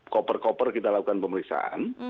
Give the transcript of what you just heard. koper koper kita lakukan pemeriksaan